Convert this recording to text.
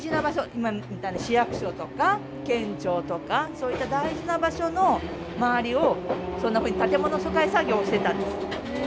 今みたいな市役所とか県庁とかそういった大事な場所の周りをそんなふうに建物疎開作業をしてたんです。